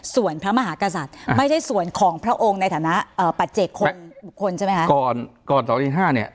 ส่วนพระมหากษัตริย์ไม่ได้ส่วนของพระองค์ในฐานะเอ่อปัจเจกคนบุคคลใช่ไหมคะก่อนก่อนสองตีห้าเนี่ย